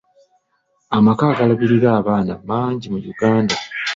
Amaka agalabirira abaana mangi mu Uganda.